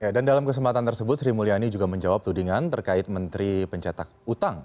dan dalam kesempatan tersebut sri mulyani juga menjawab tudingan terkait menteri pencetak utang